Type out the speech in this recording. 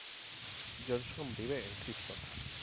Johnson vive en Houston.